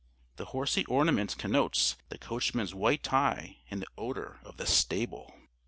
The horsy ornament connotes the coachman's white tie and the odor of the stable.